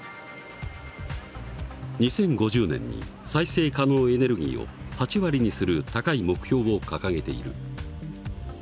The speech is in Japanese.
２０５０年に再生可能エネルギーを８割にする高い目標を掲げている。